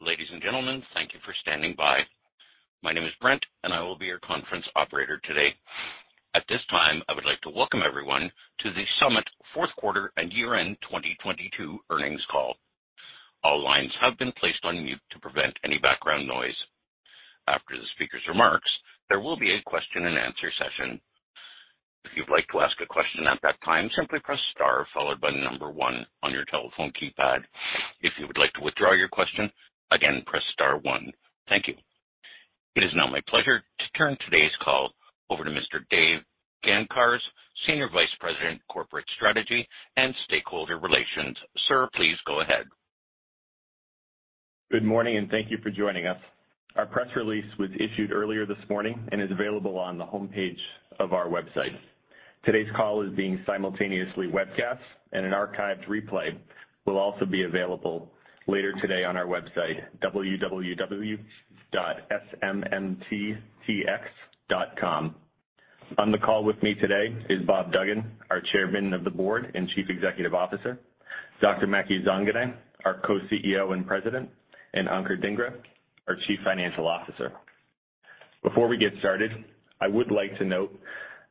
Ladies and gentlemen, thank you for standing by. My name is Brent. I will be your conference operator today. At this time, I would like to welcome everyone to the Summit fourth quarter and year-end 2022 earnings call. All lines have been placed on mute to prevent any background noise. After the speaker's remarks, there will be a question-and-answer session. If you'd like to ask a question at that time, simply press star followed by the number one on your telephone keypad. If you would like to withdraw your question, again, press star one. Thank you. It is now my pleasure to turn today's call over to Mr. Dave Gancarz, Senior Vice President, Corporate Strategy and Stakeholder Relations. Sir, please go ahead. Good morning, thank you for joining us. Our press release was issued earlier this morning and is available on the homepage of our website. Today's call is being simultaneously webcast, and an archived replay will also be available later today on our website, www.smmttx.com. On the call with me today is Bob Duggan, our Chairman of the Board and Chief Executive Officer, Dr. Maky Zanganeh, our Co-CEO and President, and Ankur Dhingra, our Chief Financial Officer. Before we get started, I would like to note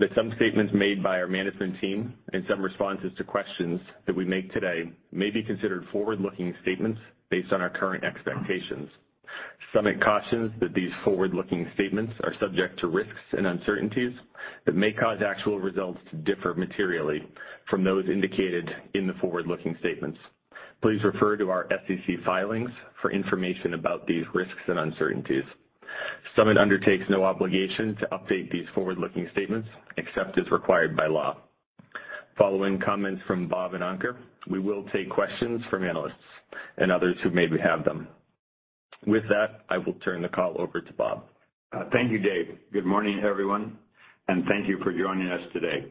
that some statements made by our management team and some responses to questions that we make today may be considered forward-looking statements based on our current expectations. Summit cautions that these forward-looking statements are subject to risks and uncertainties that may cause actual results to differ materially from those indicated in the forward-looking statements. Please refer to our SEC filings for information about these risks and uncertainties. Summit undertakes no obligation to update these forward-looking statements except as required by law. Following comments from Bob and Ankur, we will take questions from analysts and others who maybe have them. With that, I will turn the call over to Bob. Thank you, Dave. Good morning, everyone, and thank you for joining us today.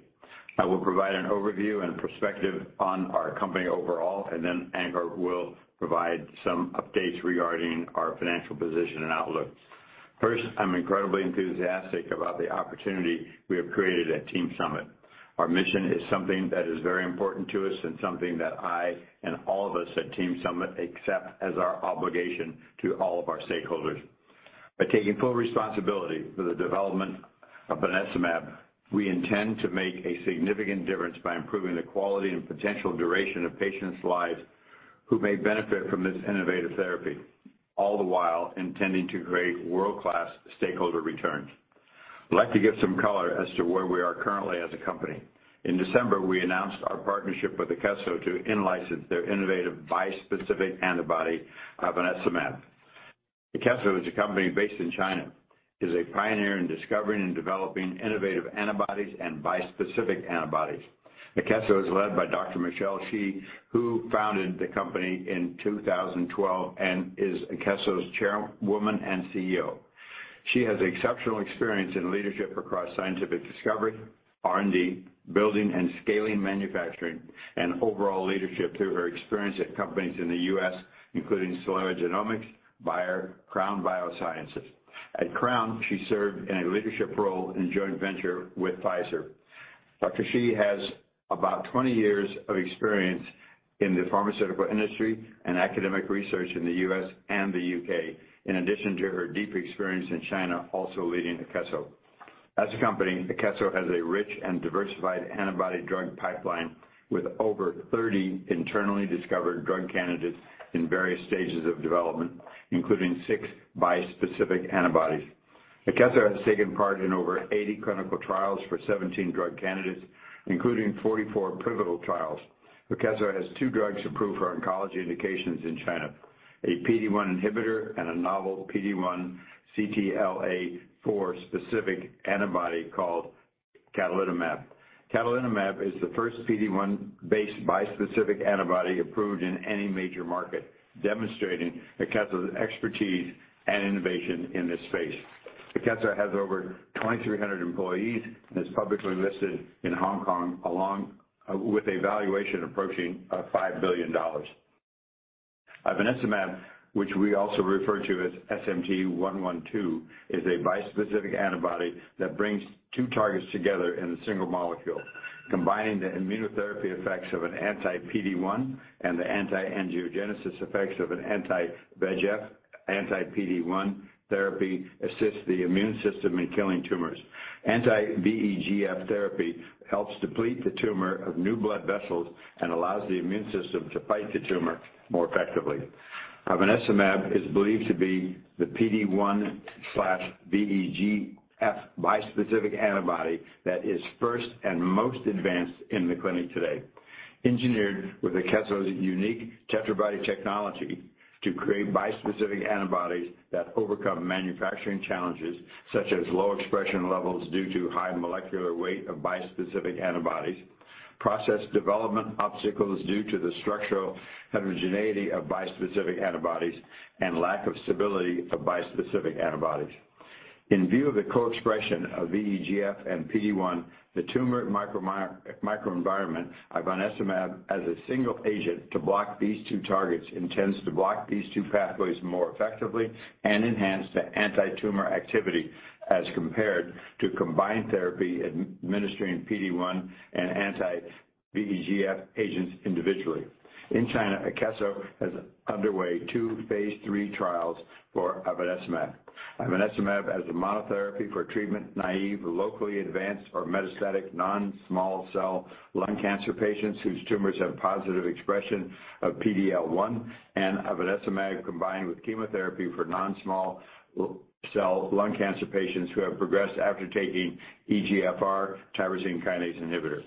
I will provide an overview and perspective on our company overall, and then Ankur will provide some updates regarding our financial position and outlook. First, I'm incredibly enthusiastic about the opportunity we have created at Team Summit. Our mission is something that is very important to us and something that I and all of us at Team Summit accept as our obligation to all of our stakeholders. By taking full responsibility for the development of Ivonescimab, we intend to make a significant difference by improving the quality and potential duration of patients' lives who may benefit from this innovative therapy, all the while intending to create world-class stakeholder returns. I'd like to give some color as to where we are currently as a company. In December, we announced our partnership with Akeso to in-license their innovative bispecific antibody Ivonescimab. Akeso is a company based in China. Is a pioneer in discovering and developing innovative antibodies and bispecific antibodies. Akeso is led by Dr. Michelle Xia, who founded the company in 2012 and is Akeso's Chairwoman and CEO. She has exceptional experience in leadership across scientific discovery, R&D, building and scaling manufacturing, and overall leadership through her experience at companies in the U.S., including Celera Genomics, Bayer, Crown Bioscience. At Crown, she served in a leadership role in joint venture with Pfizer. Dr. Xia has about 20 years of experience in the pharmaceutical industry and academic research in the U.S. and the U.K. In addition to her deep experience in China, also leading Akeso. As a company, Akeso has a rich and diversified antibody drug pipeline with over 30 internally discovered drug candidates in various stages of development, including 6 bispecific antibodies. Akeso has taken part in over 80 clinical trials for 17 drug candidates, including 44 pivotal trials. Akeso has 2 drugs approved for oncology indications in China, a PD-1 inhibitor and a novel PD-1/CTLA-4 specific antibody called cadonilimab. Cadonilimab is the first PD-1-based bispecific antibody approved in any major market, demonstrating Akeso's expertise and innovation in this space. Akeso has over 2,300 employees and is publicly listed in Hong Kong with a valuation approaching $5 billion. Ivonescimab, which we also refer to as SMT112, is a bispecific antibody that brings two targets together in a single molecule. Combining the immunotherapy effects of an anti-PD-1 and the anti-angiogenesis effects of an anti-VEGF, anti-PD-1 therapy assists the immune system in killing tumors. Anti-VEGF therapy helps deplete the tumor of new blood vessels and allows the immune system to fight the tumor more effectively. Ivonescimab is believed to be the PD-1/VEGF bispecific antibody that is first and most advanced in the clinic today, engineered with Akeso's unique Tetrabody technology to create bispecific antibodies that overcome manufacturing challenges such as low expression levels due to high molecular weight of bispecific antibodies, process development obstacles due to the structural heterogeneity of bispecific antibodies and lack of stability of bispecific antibodies. In view of the co-expression of VEGF and PD-1, the tumor microenvironment of Ivonescimab as a single agent to block these two targets intends to block these two pathways more effectively and enhance the antitumor activity as compared to combined therapy administering PD-1 and anti-VEGF agents individually. In China, Akeso has underway two phase III trials for Ivonescimab. Ivonescimab as a monotherapy for treatment naive, locally advanced or metastatic non-small cell lung cancer patients whose tumors have positive expression of PDL1, and Ivonescimab combined with chemotherapy for non-small cell lung cancer patients who have progressed after taking EGFR tyrosine kinase inhibitor.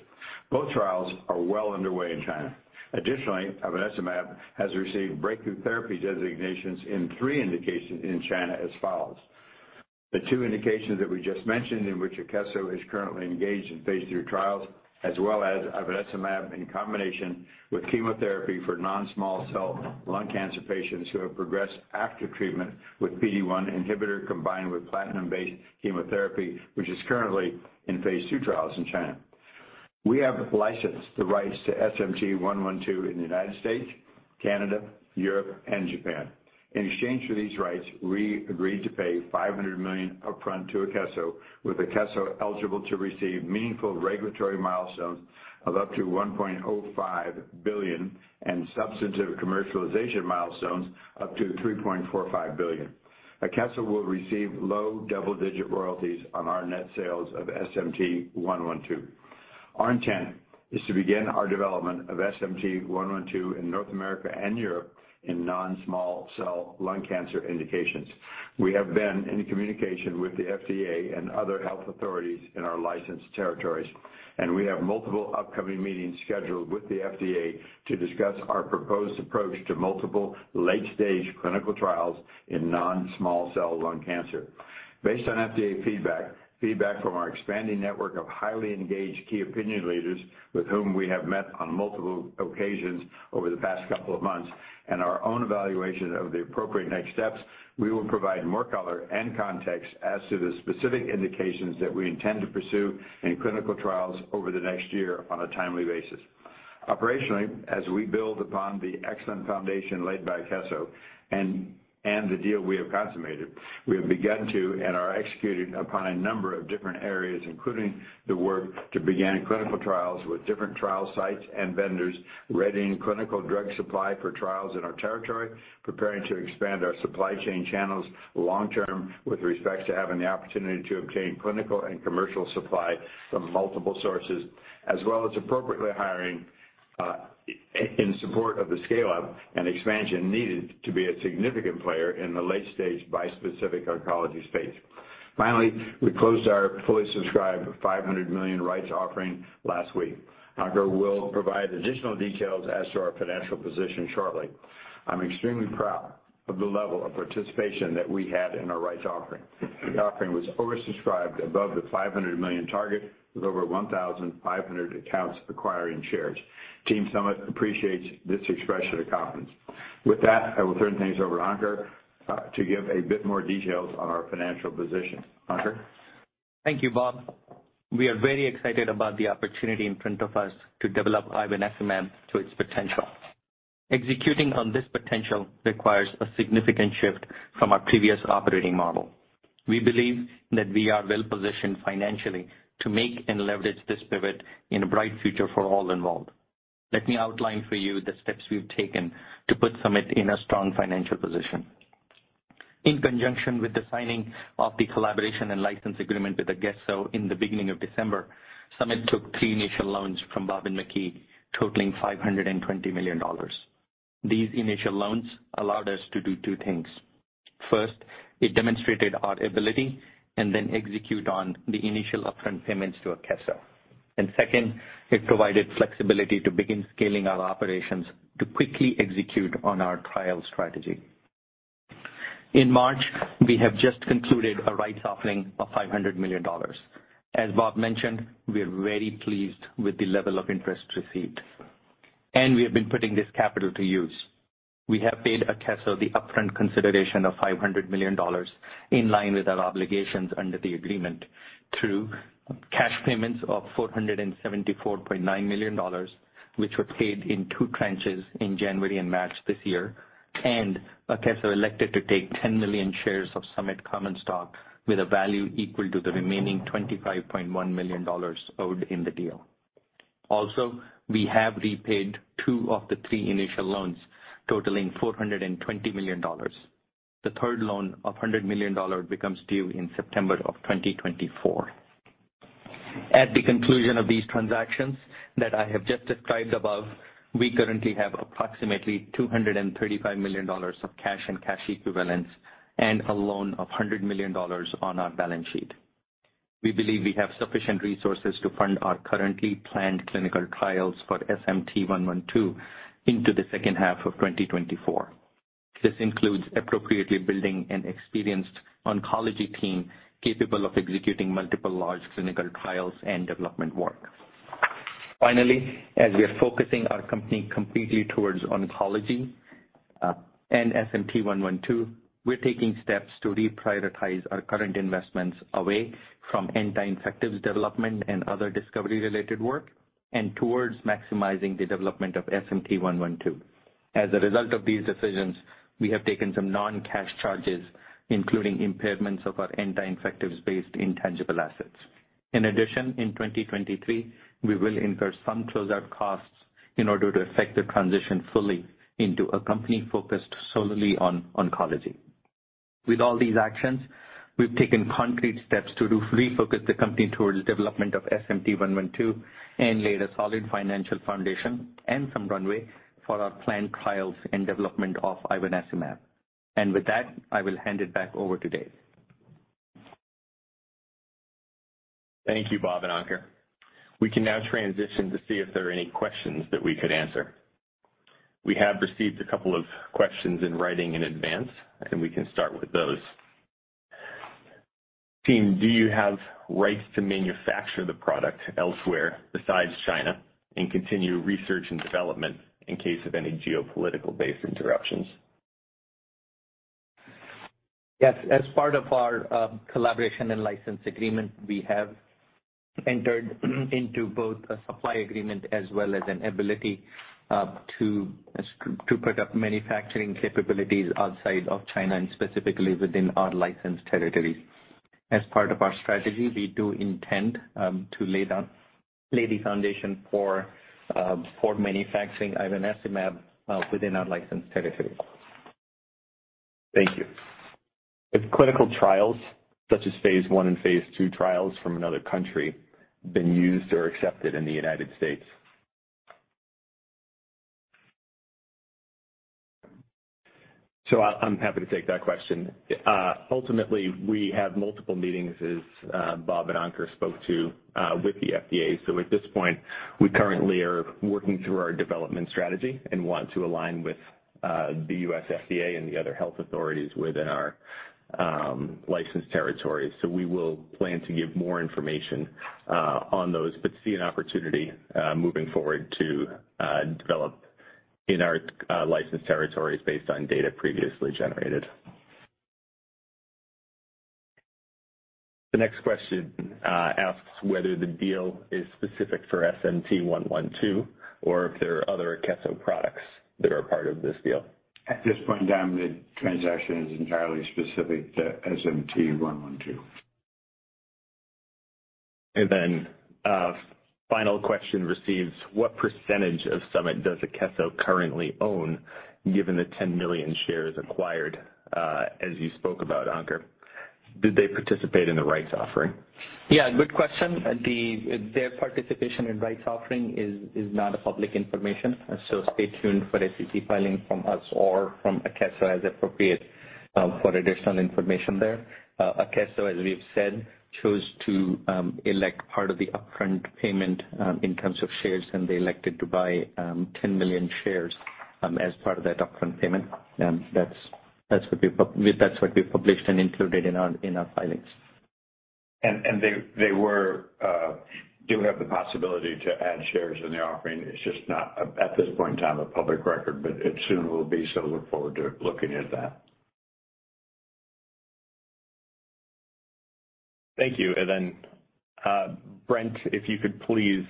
Both trials are well underway in China. Additionally, Ivonescimab has received Breakthrough Therapy Designations in three indications in China as follows. The two indications that we just mentioned in which Akeso is currently engaged in phase III trials, as well as Ivonescimab in combination with chemotherapy for non-small cell lung cancer patients who have progressed after treatment with PD-1 inhibitor combined with platinum-based chemotherapy, which is currently in phase II trials in China. We have licensed the rights to SMT112 in the United States, Canada, Europe and Japan. In exchange for these rights, we agreed to pay $500 million upfront to Akeso, with Akeso eligible to receive meaningful regulatory milestones of up to $1.05 billion and substantive commercialization milestones up to $3.45 billion. Akeso will receive low double-digit royalties on our net sales of SMT112. Our intent is to begin our development of SMT112 in North America and Europe in non-small cell lung cancer indications. We have been in communication with the FDA and other health authorities in our licensed territories, and we have multiple upcoming meetings scheduled with the FDA to discuss our proposed approach to multiple late-stage clinical trials in non-small cell lung cancer. Based on FDA feedback from our expanding network of highly engaged key opinion leaders with whom we have met on multiple occasions over the past couple of months, and our own evaluation of the appropriate next steps, we will provide more color and context as to the specific indications that we intend to pursue in clinical trials over the next year on a timely basis. Operationally, as we build upon the excellent foundation laid by Akeso and the deal we have consummated, we have begun to and are executing upon a number of different areas, including the work to begin clinical trials with different trial sites and vendors, readying clinical drug supply for trials in our territory, preparing to expand our supply chain channels long term with respect to having the opportunity to obtain clinical and commercial supply from multiple sources, as well as appropriately hiring in support of the scale-up and expansion needed to be a significant player in the late stage bispecific oncology space. Finally, we closed our fully subscribed $500 million rights offering last week. Ankur will provide additional details as to our financial position shortly. I'm extremely proud of the level of participation that we had in our rights offering. The offering was oversubscribed above the $500 million target with over 1,500 accounts acquiring shares. Team Summit appreciates this expression of confidence. With that, I will turn things over to Ankur, to give a bit more details on our financial position. Ankur? Thank you, Bob. We are very excited about the opportunity in front of us to develop Ivonescimab to its potential. Executing on this potential requires a significant shift from our previous operating model. We believe that we are well-positioned financially to make and leverage this pivot in a bright future for all involved. Let me outline for you the steps we've taken to put Summit in a strong financial position. In conjunction with the signing of the Collaboration and License Agreement with Akeso in the beginning of December, Summit took three initial loans from Bob and Maky totaling $520 million. These initial loans allowed us to do two things. First, it demonstrated our ability and then execute on the initial upfront payments to Akeso. Second, it provided flexibility to begin scaling our operations to quickly execute on our trial strategy. In March, we have just concluded a rights offering of $500 million. As Bob mentioned, we are very pleased with the level of interest received. We have been putting this capital to use. We have paid Akeso the upfront consideration of $500 million in line with our obligations under the agreement through cash payments of $474.9 million, which were paid in two tranches in January and March this year. Akeso elected to take 10 million shares of Summit common stock with a value equal to the remaining $25.1 million owed in the deal. We have repaid 2 of the 3 initial loans totaling $420 million. The third loan of $100 million becomes due in September of 2024. At the conclusion of these transactions that I have just described above, we currently have approximately $235 million of cash and cash equivalents and a loan of $100 million on our balance sheet. We believe we have sufficient resources to fund our currently planned clinical trials for SMT112 into the second half of 2024. This includes appropriately building an experienced oncology team capable of executing multiple large clinical trials and development work. Finally, as we are focusing our company completely towards oncology and SMT112, we're taking steps to reprioritize our current investments away from anti-infectives development and other discovery-related work and towards maximizing the development of SMT112. As a result of these decisions, we have taken some non-cash charges, including impairments of our anti-infectives-based intangible assets. In addition, in 2023, we will incur some closeout costs in order to effect the transition fully into a company focused solely on oncology. With all these actions, we've taken concrete steps to re-focus the company towards development of SMT112 and lay a solid financial foundation and some runway for our planned trials and development of Ivonescimab. With that, I will hand it back over to Dave. Thank you, Bob and Ankur. We can now transition to see if there are any questions that we could answer. We have received a couple of questions in writing in advance, and we can start with those. "Team, do you have rights to manufacture the product elsewhere besides China and continue research and development in case of any geopolitical-based interruptions? Yes. As part of our Collaboration and License Agreement, we have entered into both a supply agreement as well as an ability to put up manufacturing capabilities outside of China and specifically within our licensed territories. As part of our strategy, we do intend to lay the foundation for manufacturing Ivonescimab within our licensed territories. Thank you. Have clinical trials, such as phase I and phase II trials from another country, been used or accepted in the United States? I'm happy to take that question. Ultimately, we have multiple meetings, as Bob and Ankur spoke to, with the FDA. At this point, we currently are working through our development strategy and want to align with the U.S. FDA and the other health authorities within our licensed territories. We will plan to give more information on those, but see an opportunity moving forward to develop in our licensed territories based on data previously generated. The next question asks whether the deal is specific for SMT112 or if there are other Akeso products that are part of this deal? At this point in time, the transaction is entirely specific to SMT112. Final question received, "What percentage of Summit does Akeso currently own, given the 10 million shares acquired, as you spoke about, Ankur? Did they participate in the rights offering? Good question. Their participation in rights offering is not a public information, so stay tuned for SEC filing from us or from Akeso as appropriate for additional information there. Akeso, as we've said, chose to elect part of the upfront payment in terms of shares, and they elected to buy 10 million shares as part of that upfront payment. That's what we published and included in our filings. They were do have the possibility to add shares in the offering. It's just not at this point in time a public record, but it soon will be. Look forward to looking at that. Thank you. Brent, if you could please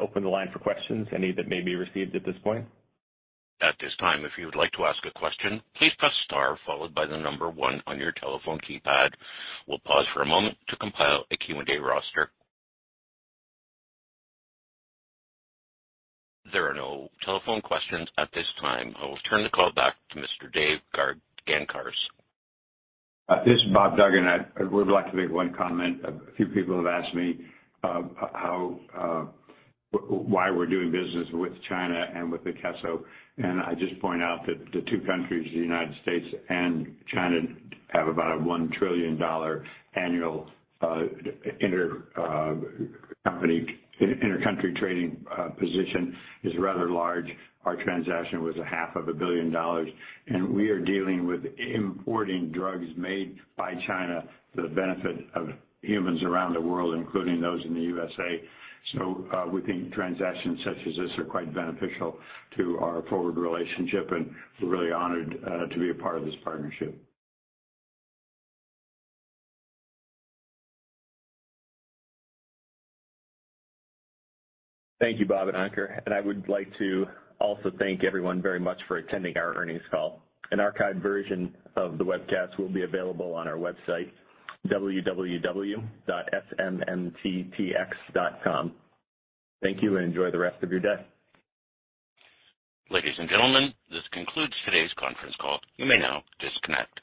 open the line for questions, any that may be received at this point. At this time, if you would like to ask a question, please press star followed by the number one on your telephone keypad. We'll pause for a moment to compile a Q&A roster. There are no telephone questions at this time. I will turn the call back to Mr. Dave Gancarz. This is Bob Duggan. I would like to make one comment. A few people have asked me how why we're doing business with China and with Akeso. I just point out that the two countries, the United States and China, have about a $1 trillion annual intercountry trading position. It's rather large. Our transaction was $500 million. We are dealing with importing drugs made by China for the benefit of humans around the world, including those in the USA. We think transactions such as this are quite beneficial to our forward relationship, and we're really honored to be a part of this partnership. Thank you, Bob and Ankur. I would like to also thank everyone very much for attending our earnings call. An archived version of the webcast will be available on our website, www.smmttx.com. Thank you. Enjoy the rest of your day. Ladies and gentlemen, this concludes today's conference call. You may now disconnect.